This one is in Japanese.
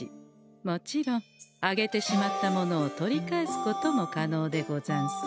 もちろんあげてしまったものを取り返すことも可能でござんす。